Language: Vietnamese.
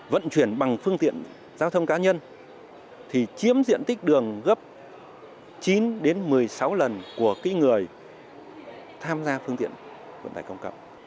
vận chuyển bằng phương tiện giao thông cá nhân thì chiếm diện tích đường gấp chín một mươi sáu lần của người tham gia phương tiện vận tải công cộng